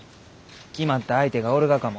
決まった相手がおるがかも。